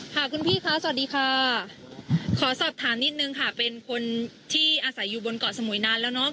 ค่ะคุณพี่คะสวัสดีค่ะขอสอบถามนิดนึงค่ะเป็นคนที่อาศัยอยู่บนเกาะสมุยนานแล้วเนอะ